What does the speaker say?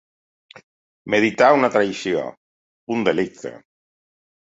Meditar una traïció, un delicte.